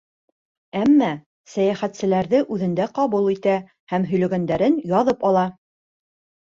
Әммә сәйәхәтселәрҙе үҙендә ҡабул итә һәм һөйләгәндәрен яҙып ала.